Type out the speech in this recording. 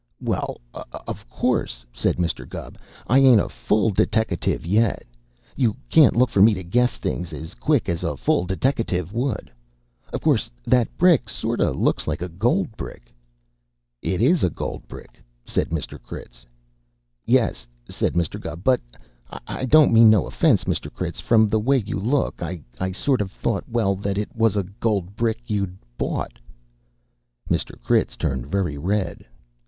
"Well, of course," said Mr. Gubb, "I ain't a full deteckative yet. You can't look for me to guess things as quick as a full deteckative would. Of course that brick sort of looks like a gold brick " "It is a gold brick," said Mr. Critz. "Yes," said Mr. Gubb. "But I don't mean no offense, Mr. Critz from the way you look I sort of thought well, that it was a gold brick you'd bought." Mr. Critz turned very red.